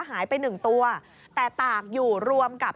หายไปหนึ่งตัวแต่ตากอยู่รวมกับ